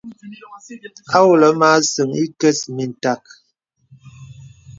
À wolɔ̀ mə à səŋ ìkə̀s mìntàk.